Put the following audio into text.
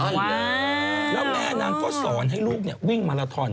อีกแล้วแล้วแม่นางก็สอนให้ลูกวิ่งมาลาทอน